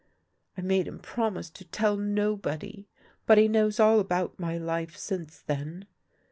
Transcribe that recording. I made him promise to tell nobody, but he knows all about my life since then.